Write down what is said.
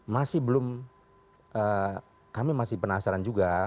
masih belum kami masih penasaran juga